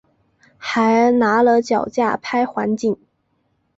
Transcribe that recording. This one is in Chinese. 还拿了脚架拍环景